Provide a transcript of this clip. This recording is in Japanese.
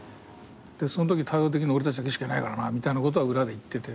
そのとき対応できるの俺たちだけしかいないからなみたいなことは裏で言ってて。